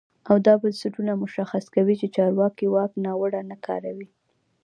او دا بنسټونه مشخص کوي چې چارواکي واک ناوړه نه کاروي.